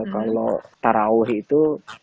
kalau taraweh itu